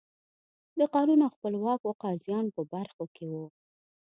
د قانون او خپلواکو قاضیانو په برخو کې وو.